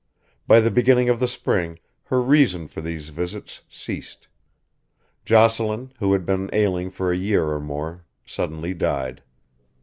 By the beginning of the spring her reason for these visits ceased. Jocelyn, who had been ailing for a year or more, suddenly died.